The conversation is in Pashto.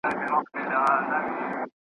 ښه داده چي د صالح کس خطبه او مرکه جواب نسي